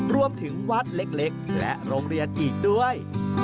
รวมถึงวัดเล็กและโรงเรียนอีกด้วย